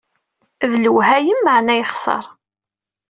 D lwehayem, meɛna yexser.